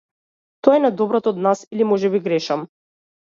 Тоа е најдоброто од нас или можеби грешам.